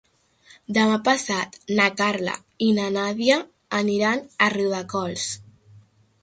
Demà passat na Carla i na Nàdia aniran a Riudecols.